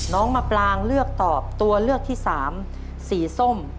มะปรางเลือกตอบตัวเลือกที่สามสีส้ม